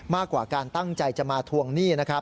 มากกว่าการตั้งใจจะมาทวงหนี้